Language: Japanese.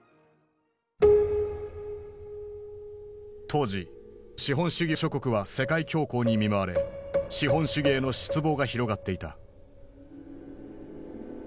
当時資本主義諸国は世界恐慌に見舞われ資本主義への失望が広がっていた。